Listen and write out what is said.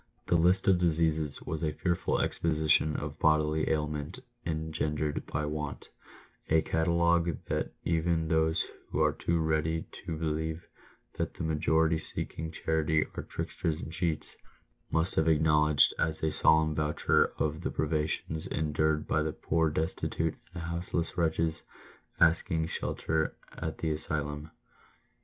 The list of diseases was a fearful exposition of bodily ailment en gendered by want — a catalogue that even those who are too ready to believe that the majority seeking charity are tricksters and cheats, must have acknowledged as a solemn voucher of the privations en dured by the poor destitute and houseless wretches asking shelter at ^ the asylum.